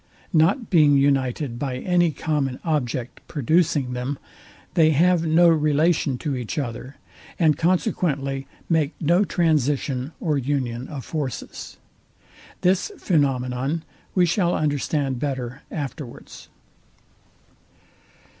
Not being united by any common object, producing them, they have no relation to each other; and consequently make no transition or union of forces. This phænomenon we shall understand better afterwards.